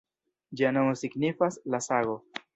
Ĝia nomo signifas “La Sago”.